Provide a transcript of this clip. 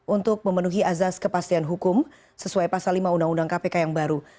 untuk memenuhi azas kepastian hukum sesuai pasal lima undang undang kpk yang baru